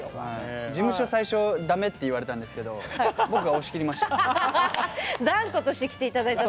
事務所、最初、だめって言われたんですけど僕が押し切りました。